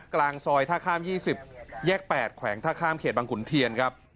กลางซอยท่าข้าม๒๐แยก๘แขวงท่าข้ามเขตบางขุนเทียนครับ